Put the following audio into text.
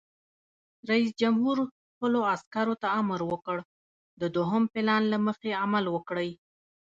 رئیس جمهور خپلو عسکرو ته امر وکړ؛ د دوهم پلان له مخې عمل وکړئ!